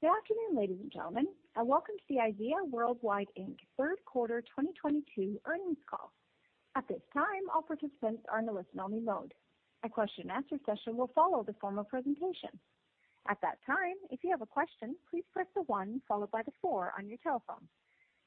Good afternoon, ladies and gentlemen, and welcome to the IZEA Worldwide, Inc. third quarter 2022 earnings call. At this time, all participants are in a listen-only mode. A question-and-answer session will follow the formal presentation. At that time, if you have a question, please press the one followed by the four on your telephone.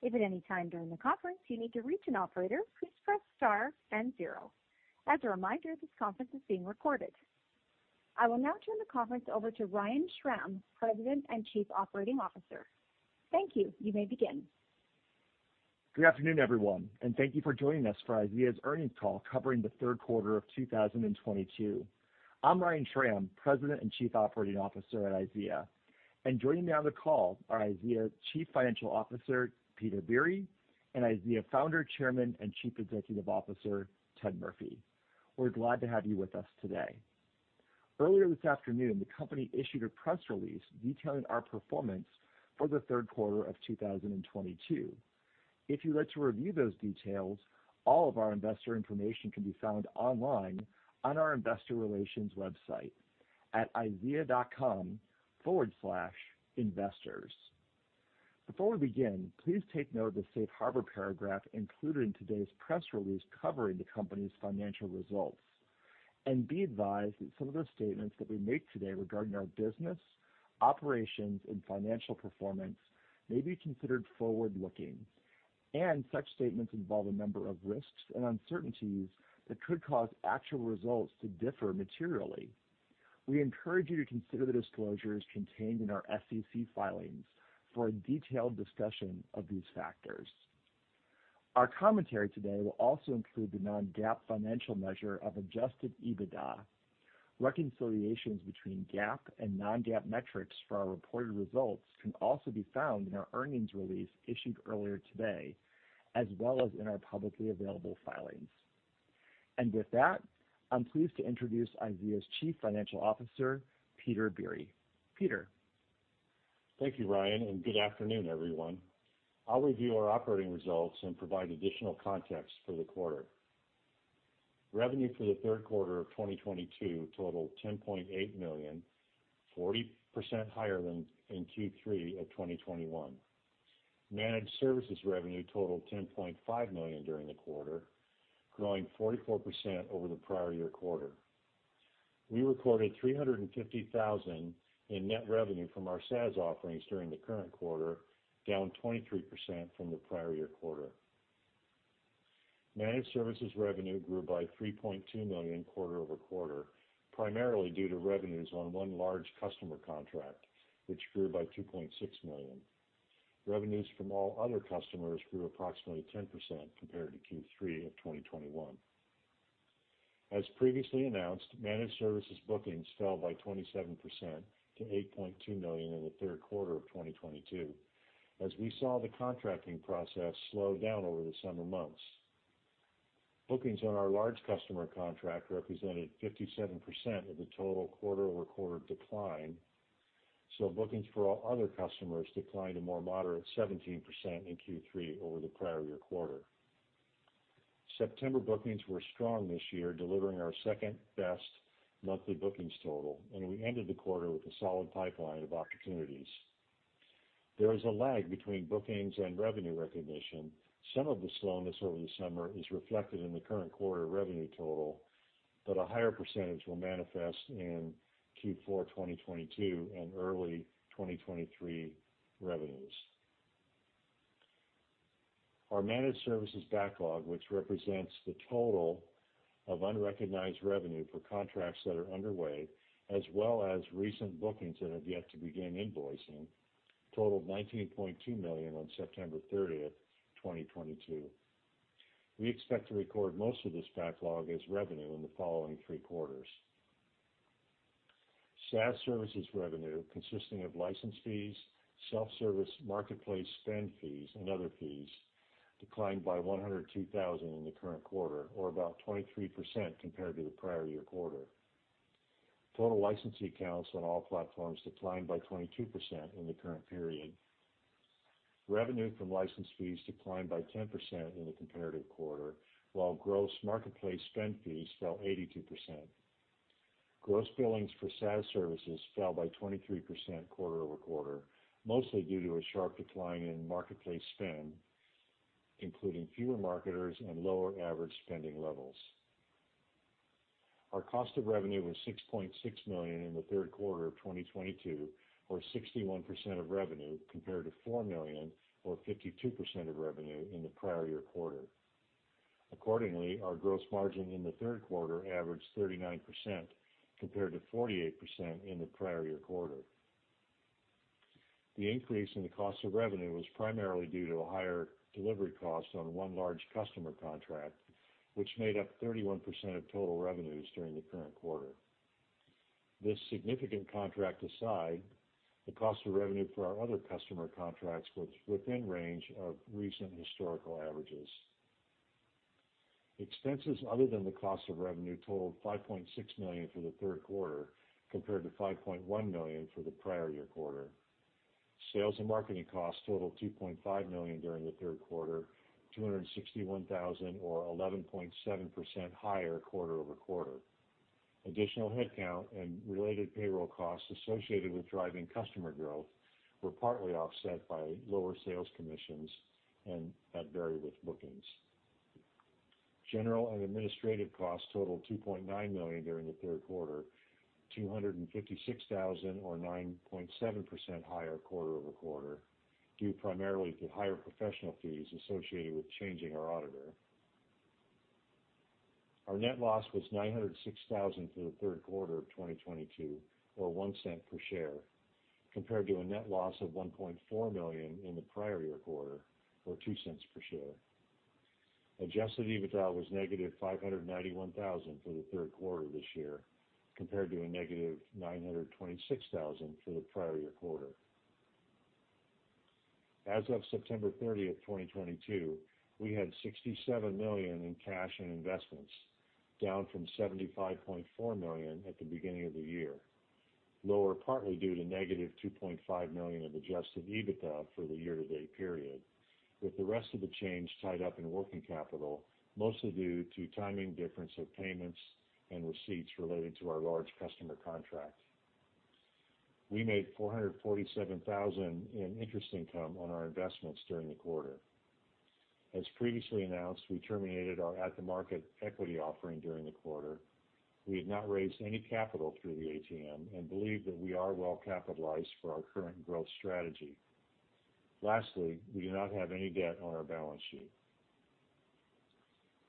If at any time during the conference you need to reach an operator, please press star then 0. As a reminder, this conference is being recorded. I will now turn the conference over to Ryan Schram, President and Chief Operating Officer. Thank you. You may begin. Good afternoon, everyone, and thank you for joining us for IZEA's earnings call covering the third quarter of 2022. I'm Ryan Schram, President and Chief Operating Officer at IZEA. Joining me on the call are IZEA's Chief Financial Officer, Peter Biere, and IZEA's Founder, Chairman, and Chief Executive Officer, Ted Murphy. We're glad to have you with us today. Earlier this afternoon, the company issued a press release detailing our performance for the third quarter of 2022. If you'd like to review those details, all of our investor information can be found online on our investor relations website at IZEA.com/investors. Before we begin, please take note of the safe harbor paragraph included in today's press release covering the company's financial results, and be advised that some of the statements that we make today regarding our business, operations, and financial performance may be considered forward-looking, and such statements involve a number of risks and uncertainties that could cause actual results to differ materially. We encourage you to consider the disclosures contained in our SEC filings for a detailed discussion of these factors. Our commentary today will also include the non-GAAP financial measure of adjusted EBITDA. Reconciliations between GAAP and non-GAAP metrics for our reported results can also be found in our earnings release issued earlier today, as well as in our publicly available filings. With that, I'm pleased to introduce IZEA's Chief Financial Officer, Peter Biere. Peter. Thank you, Ryan, and good afternoon, everyone. I'll review our operating results and provide additional context for the quarter. Revenue for the third quarter of 2022 totaled $10.8 million, 40% higher than in Q3 of 2021. Managed Services revenue totaled $10.5 million during the quarter, growing 44% over the prior-year quarter. We recorded $350,000 in net revenue from our SaaS offerings during the current quarter, down 23% from the prior-year quarter. Managed Services revenue grew by $3.2 million quarter-over-quarter, primarily due to revenues on one large customer contract, which grew by $2.6 million. Revenues from all other customers grew approximately 10% compared to Q3 of 2021. As previously announced, Managed Services bookings fell by 27% to $8.2 million in the third quarter of 2022, as we saw the contracting process slow down over the summer months. Bookings on our large customer contract represented 57% of the total quarter-over-quarter decline, so bookings for all other customers declined a more moderate 17% in Q3 over the prior year quarter. September bookings were strong this year, delivering our second-best monthly bookings total, and we ended the quarter with a solid pipeline of opportunities. There is a lag between bookings and revenue recognition. Some of the slowness over the summer is reflected in the current quarter revenue total, but a higher percentage will manifest in Q4 2022 and early 2023 revenues. Our Managed Services backlog, which represents the total of unrecognized revenue for contracts that are underway, as well as recent bookings that have yet to begin invoicing, totaled $19.2 million on September 30th, 2022. We expect to record most of this backlog as revenue in the following three quarters. SaaS Services revenue, consisting of license fees, self-service marketplace spend fees, and other fees, declined by $102,000 in the current quarter, or about 23% compared to the prior-year quarter. Total license accounts on all platforms declined by 22% in the current period. Revenue from license fees declined by 10% in the comparative quarter, while gross marketplace spend fees fell 82%. Gross billings for SaaS Services fell by 23% quarter-over-quarter, mostly due to a sharp decline in marketplace spend, including fewer marketers and lower average spending levels. Our cost of revenue was $6.6 million in the third quarter of 2022, or 61% of revenue, compared to $4 million or 52% of revenue in the prior year quarter. Accordingly, our gross margin in the third quarter averaged 39%, compared to 48% in the prior year quarter. The increase in the cost of revenue was primarily due to a higher delivery cost on one large customer contract, which made up 31% of total revenues during the current quarter. This significant contract aside, the cost of revenue for our other customer contracts was within range of recent historical averages. Expenses other than the cost of revenue totaled $5.6 million for the third quarter, compared to $5.1 million for the prior year quarter. Sales and marketing costs totaled $2.5 million during the third quarter, $261 thousand or 11.7% higher quarter-over-quarter. Additional headcount and related payroll costs associated with driving customer growth were partly offset by lower sales commissions and that vary with bookings. General and administrative costs totaled $2.9 million during the third quarter, $256 thousand or 9.7% higher quarter-over-quarter, due primarily to higher professional fees associated with changing our auditor. Our net loss was $906 thousand for the third quarter of 2022, or $0.01 per share, compared to a net loss of $1.4 million in the prior year quarter or $0.02 per share. Adjusted EBITDA was -$591,000 for the third quarter this year, compared to a -$926,000 for the prior year quarter. As of September 30th, 2022, we had $67 million in cash and investments, down from $75.4 million at the beginning of the year. Lower, partly due to -$2.5 million of adjusted EBITDA for the year-to-date period, with the rest of the change tied up in working capital, mostly due to timing difference of payments and receipts relating to our large customer contract. We made $447,000 in interest income on our investments during the quarter. As previously announced, we terminated our at-the-market equity offering during the quarter. We have not raised any capital through the ATM and believe that we are well capitalized for our current growth strategy. Lastly, we do not have any debt on our balance sheet.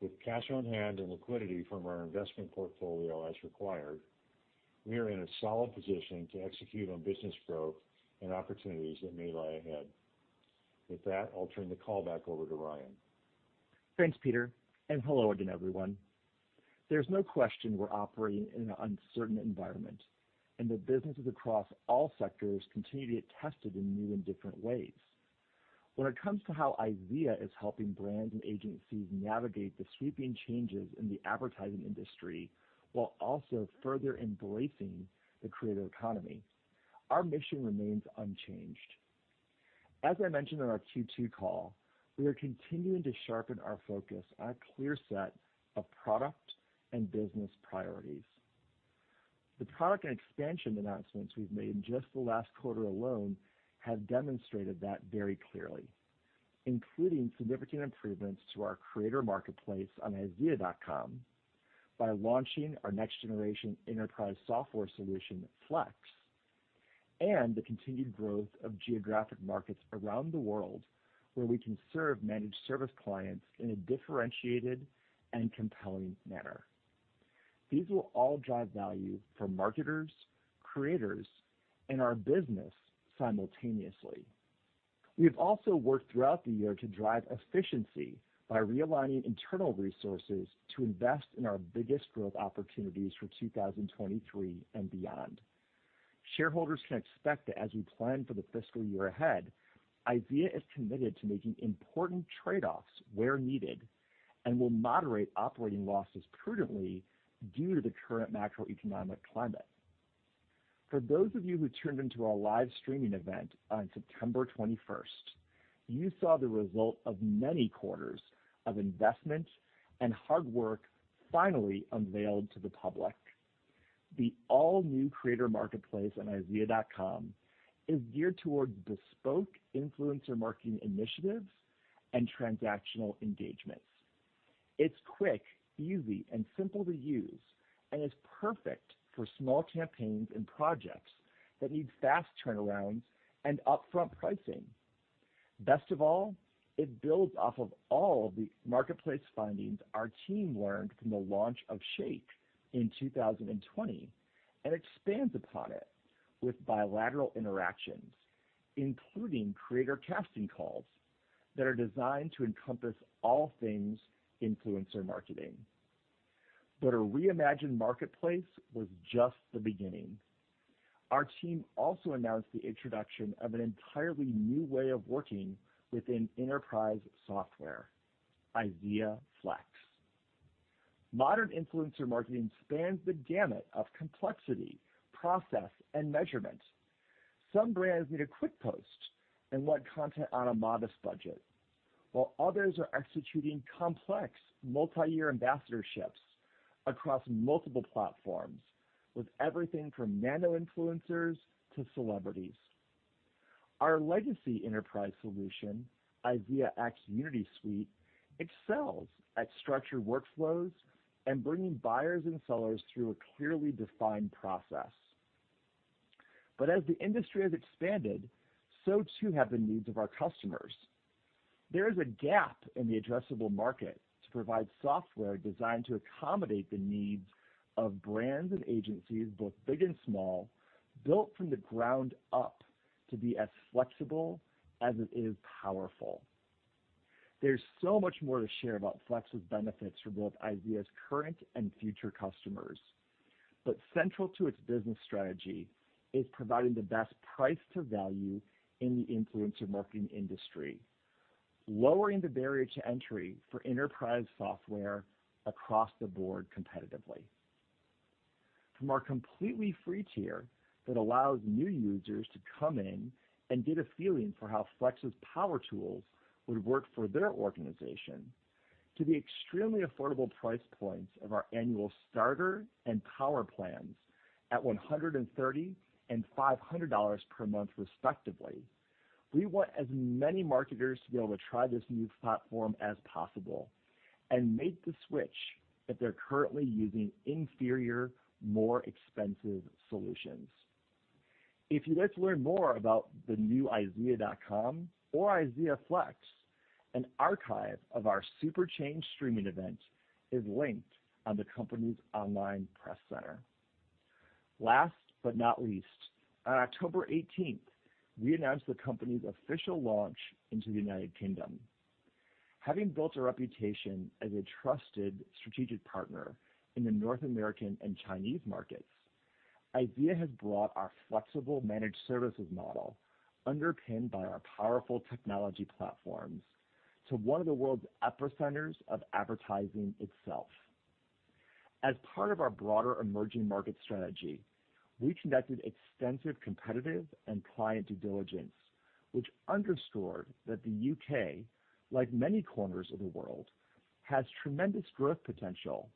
With cash on hand and liquidity from our investment portfolio as required, we are in a solid position to execute on business growth and opportunities that may lie ahead. With that, I'll turn the call back over to Ryan. Thanks, Peter, and hello again, everyone. There's no question we're operating in an uncertain environment and that businesses across all sectors continue to get tested in new and different ways. When it comes to how IZEA is helping brands and agencies navigate the sweeping changes in the advertising industry while also further embracing the creative economy, our mission remains unchanged. As I mentioned on our Q2 call, we are continuing to sharpen our focus on a clear set of product and business priorities. The product and expansion announcements we've made in just the last quarter alone have demonstrated that very clearly, including significant improvements to our creator marketplace on IZEA.com by launching our next-generation enterprise software solution, Flex, and the continued growth of geographic markets around the world where we can serve Managed Services clients in a differentiated and compelling manner. These will all drive value for marketers, creators, and our business simultaneously. We have also worked throughout the year to drive efficiency by realigning internal resources to invest in our biggest growth opportunities for 2023 and beyond. Shareholders can expect that as we plan for the fiscal year ahead, IZEA is committed to making important trade-offs where needed and will moderate operating losses prudently due to the current macroeconomic climate. For those of you who tuned into our live streaming event on September 21st, you saw the result of many quarters of investment and hard work finally unveiled to the public. The all-new creator marketplace on IZEA.com is geared toward bespoke influencer marketing initiatives and transactional engagements. It's quick, easy, and simple to use, and is perfect for small campaigns and projects that need fast turnarounds and upfront pricing. Best of all, it builds off of all the marketplace findings our team learned from the launch of Shake in 2020 and expands upon it with bilateral interactions, including creator casting calls that are designed to encompass all things influencer marketing. A reimagined marketplace was just the beginning. Our team also announced the introduction of an entirely new way of working within enterprise software, IZEA Flex. Modern influencer marketing spans the gamut of complexity, process, and measurement. Some brands need a quick post and want content on a modest budget, while others are executing complex multi-year ambassadorships across multiple platforms with everything from nano-influencers to celebrities. Our legacy enterprise solution, IZEAx Unity Suite, excels at structured workflows and bringing buyers and sellers through a clearly defined process. As the industry has expanded, so too have the needs of our customers. There is a gap in the addressable market to provide software designed to accommodate the needs of brands and agencies, both big and small, built from the ground up to be as flexible as it is powerful. There's so much more to share about Flex's benefits for both IZEA's current and future customers. Central to its business strategy is providing the best price to value in the influencer marketing industry, lowering the barrier to entry for enterprise software across the board competitively. From our completely free tier that allows new users to come in and get a feeling for how Flex's power tools would work for their organization to the extremely affordable price points of our annual starter and power plans at $130 and $500 per month, respectively. We want as many marketers to be able to try this new platform as possible and make the switch if they're currently using inferior, more expensive solutions. If you'd like to learn more about the new IZEA.com or IZEA Flex, an archive of our Superchanged streaming event is linked on the company's online press center. Last but not least, on October eighteenth, we announced the company's official launch into the United Kingdom. Having built a reputation as a trusted strategic partner in the North American and Chinese markets, IZEA has brought our flexible Managed Services model, underpinned by our powerful technology platforms, to one of the world's epicenters of advertising itself. As part of our broader emerging market strategy, we conducted extensive competitive and client due diligence, which underscored that the U.K., like many corners of the world, has tremendous growth potential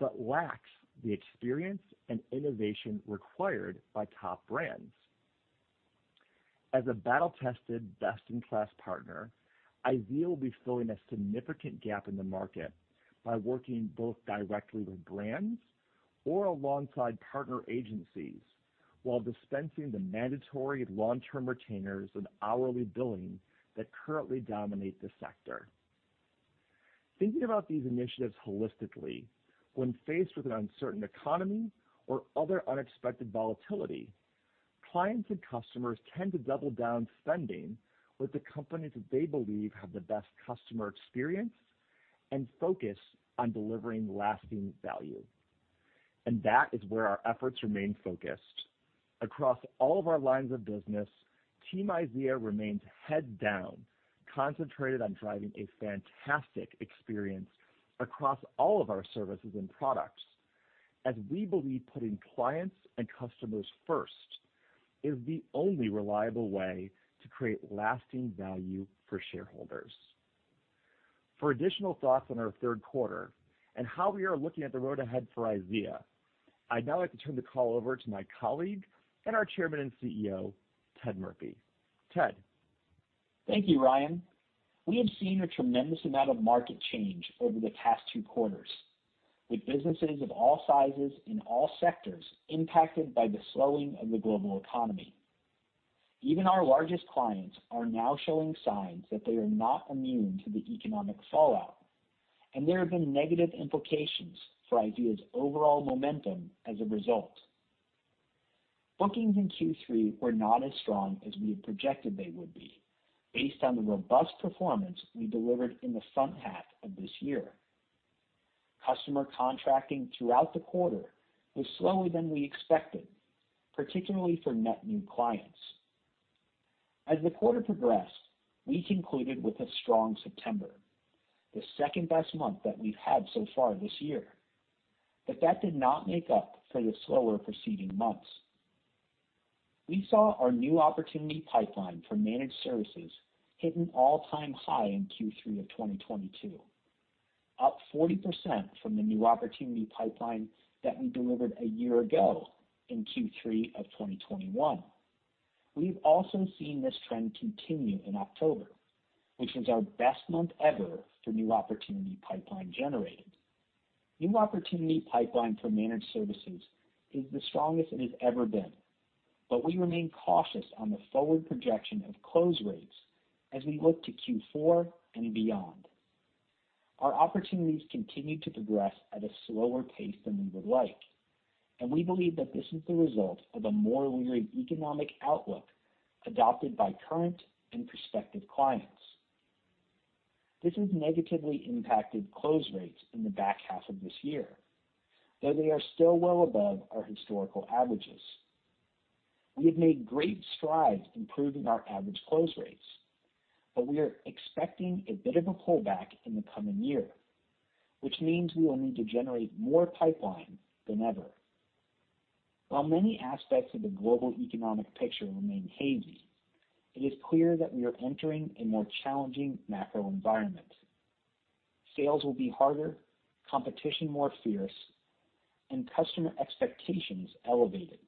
but lacks the experience and innovation required by top brands. As a battle-tested, best-in-class partner, IZEA will be filling a significant gap in the market by working both directly with brands or alongside partner agencies while dispensing the mandatory long-term retainers and hourly billing that currently dominate the sector. Thinking about these initiatives holistically, when faced with an uncertain economy or other unexpected volatility, clients and customers tend to double down spending with the companies that they believe have the best customer experience and focus on delivering lasting value, and that is where our efforts remain focused. Across all of our lines of business, Team IZEA remains head down, concentrated on driving a fantastic experience across all of our services and products, as we believe putting clients and customers first is the only reliable way to create lasting value for shareholders. For additional thoughts on our third quarter and how we are looking at the road ahead for IZEA, I'd now like to turn the call over to my colleague and our Chairman and CEO, Ted Murphy. Ted. Thank you, Ryan. We have seen a tremendous amount of market change over the past two quarters, with businesses of all sizes in all sectors impacted by the slowing of the global economy. Even our largest clients are now showing signs that they are not immune to the economic fallout, and there have been negative implications for IZEA's overall momentum as a result. Bookings in Q3 were not as strong as we had projected they would be based on the robust performance we delivered in the front half of this year. Customer contracting throughout the quarter was slower than we expected, particularly for net new clients. As the quarter progressed, we concluded with a strong September, the second-best month that we've had so far this year. That did not make up for the slower preceding months. We saw our new opportunity pipeline for Managed Services hit an all-time high in Q3 of 2022, up 40% from the new opportunity pipeline that we delivered a year ago in Q3 of 2021. We've also seen this trend continue in October, which was our best month ever for new opportunity pipeline generated. New opportunity pipeline for Managed Services is the strongest it has ever been, but we remain cautious on the forward projection of close rates as we look to Q4 and beyond. Our opportunities continue to progress at a slower pace than we would like, and we believe that this is the result of a more wary economic outlook adopted by current and prospective clients. This has negatively impacted close rates in the back half of this year, though they are still well above our historical averages. We have made great strides improving our average close rates, but we are expecting a bit of a pullback in the coming year, which means we will need to generate more pipeline than ever. While many aspects of the global economic picture remain hazy, it is clear that we are entering a more challenging macro environment. Sales will be harder, competition more fierce, and customer expectations elevated.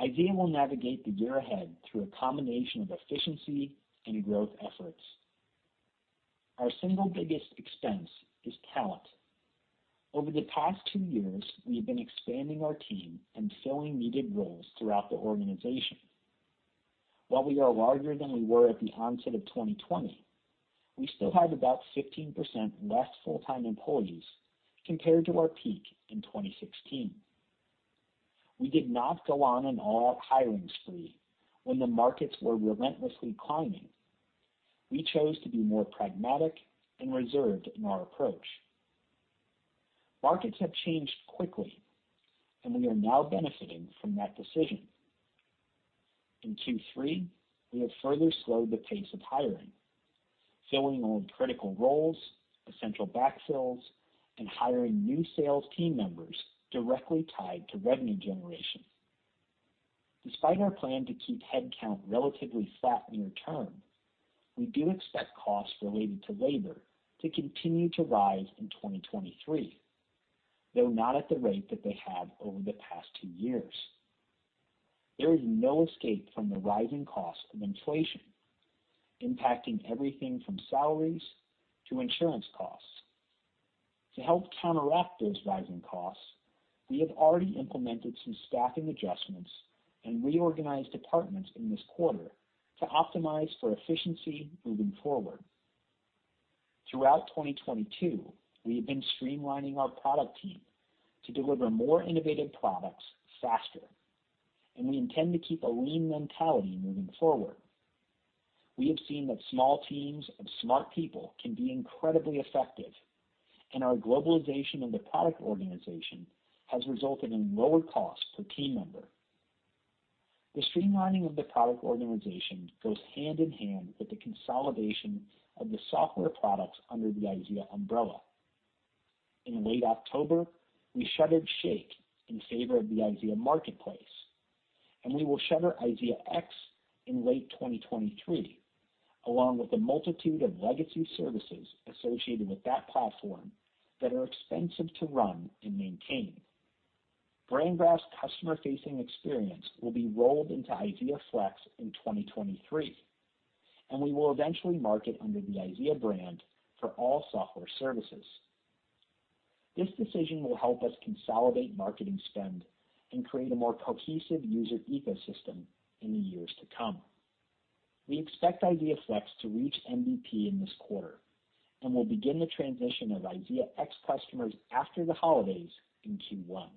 IZEA will navigate the year ahead through a combination of efficiency and growth efforts. Our single biggest expense is talent. Over the past two years, we have been expanding our team and filling needed roles throughout the organization. While we are larger than we were at the onset of 2020, we still have about 15% less full-time employees compared to our peak in 2016. We did not go on an all-out hiring spree when the markets were relentlessly climbing. We chose to be more pragmatic and reserved in our approach. Markets have changed quickly, and we are now benefiting from that decision. In Q3, we have further slowed the pace of hiring, filling all critical roles, essential backfills, and hiring new sales team members directly tied to revenue generation. Despite our plan to keep headcount relatively flat near term, we do expect costs related to labor to continue to rise in 2023, though not at the rate that they have over the past two years. There is no escape from the rising cost of inflation, impacting everything from salaries to insurance costs. To help counteract those rising costs, we have already implemented some staffing adjustments and reorganized departments in this quarter to optimize for efficiency moving forward. Throughout 2022, we have been streamlining our product team to deliver more innovative products faster, and we intend to keep a lean mentality moving forward. We have seen that small teams of smart people can be incredibly effective, and our globalization of the product organization has resulted in lower cost per team member. The streamlining of the product organization goes hand in hand with the consolidation of the software products under the IZEA umbrella. In late October, we shuttered Shake in favor of the IZEA marketplace, and we will shutter IZEAx in late 2023, along with a multitude of legacy services associated with that platform that are expensive to run and maintain. BrandGraph customer-facing experience will be rolled into IZEA Flex in 2023, and we will eventually market under the IZEA brand for all software services. This decision will help us consolidate marketing spend and create a more cohesive user ecosystem in the years to come. We expect IZEA Flex to reach MVP in this quarter and will begin the transition of IZEAx customers after the holidays in Q1.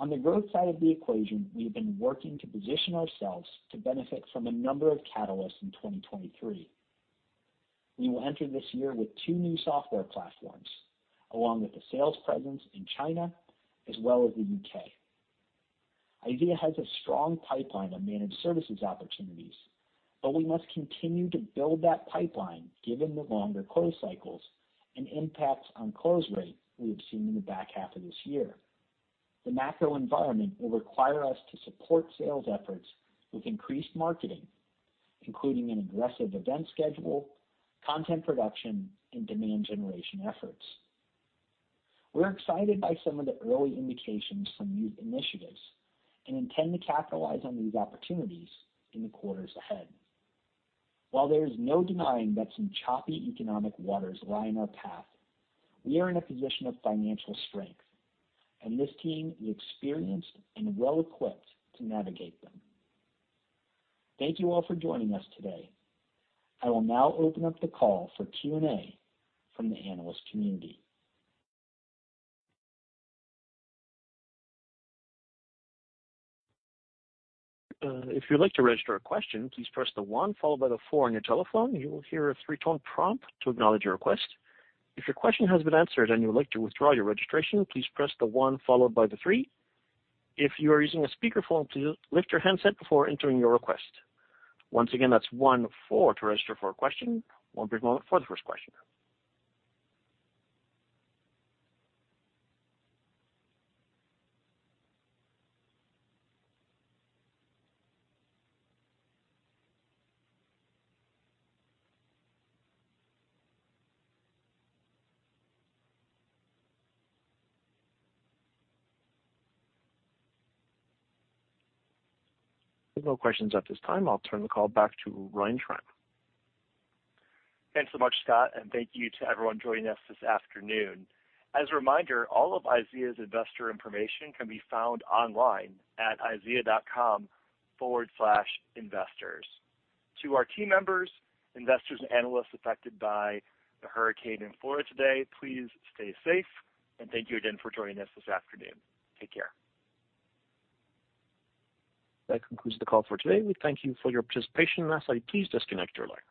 On the growth side of the equation, we have been working to position ourselves to benefit from a number of catalysts in 2023. We will enter this year with two new software platforms, along with a sales presence in China as well as the U.K. IZEA has a strong pipeline of Managed Services opportunities, but we must continue to build that pipeline given the longer close cycles and impacts on close rate we have seen in the back half of this year. The macro environment will require us to support sales efforts with increased marketing, including an aggressive event schedule, content production, and demand generation efforts. We're excited by some of the early indications from these initiatives and intend to capitalize on these opportunities in the quarters ahead. While there is no denying that some choppy economic waters lie in our path, we are in a position of financial strength, and this team is experienced and well-equipped to navigate them. Thank you all for joining us today. I will now open up the call for Q&A from the analyst community. If you'd like to register a question, please press the one followed by the four on your telephone. You will hear a three-tone prompt to acknowledge your request. If your question has been answered and you would like to withdraw your registration, please press the one followed by the three. If you are using a speakerphone, please lift your handset before entering your request. Once again, that's one four to register for a question. One brief moment for the first question. There's no questions at this time. I'll turn the call back to Ryan Schram. Thanks so much, Scott, and thank you to everyone joining us this afternoon. As a reminder, all of IZEA's investor information can be found online at IZEA.com/investors. To our team members, investors, and analysts affected by the hurricane in Florida today, please stay safe, and thank you again for joining us this afternoon. Take care. That concludes the call for today. We thank you for your participation, and at this time, please disconnect your line.